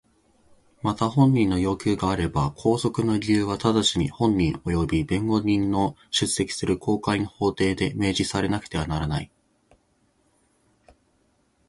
また本人の要求があれば拘束の理由は直ちに本人および弁護人の出席する公開の法廷で明示されなくてはならない。